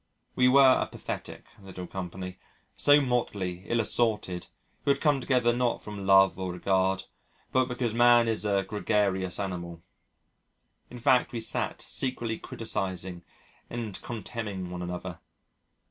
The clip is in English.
We were a pathetic little company so motley, ill assorted who had come together not from love or regard but because man is a gregarious animal. In fact, we sat secretly criticising and contemning one another